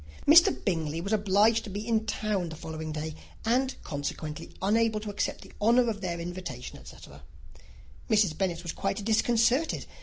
Mr. Bingley was obliged to be in town the following day, and consequently unable to accept the honour of their invitation, etc. Mrs. Bennet was quite disconcerted.